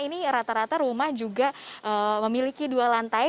ini rata rata rumah juga memiliki dua lantai